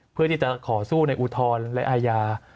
เพื่อที่จะขอสู้ในอุทธรณ์และอาญา